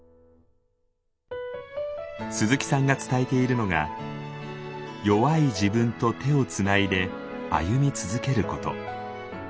鈴木さんが伝えているのが「弱い自分と手をつないで歩み続けること」。